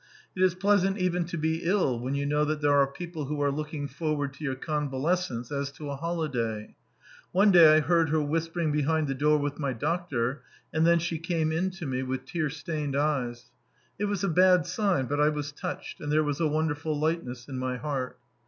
It is pleasant even to be ill when you know that there are people who are looking forward to your convalescence as to a holiday. One day I heard her whispering behind the door with my doctor, and then she came in to me with tear stained eyes. It was a bad sign, but I was touched, and there was a wonderful lightness in my heart.